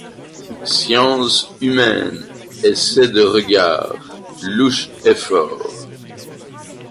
Science humaine ! essai de regard ! louche effort